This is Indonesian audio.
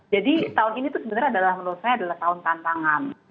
jadi tahun ini tuh sebenarnya adalah menurut saya adalah tahun tantangan